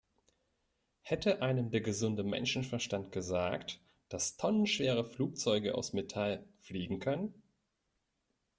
Hätte einem der gesunde Menschenverstand gesagt, dass tonnenschwere Flugzeuge aus Metall fliegen können?